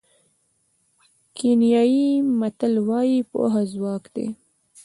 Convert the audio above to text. کینیايي متل وایي پوهه ځواک دی.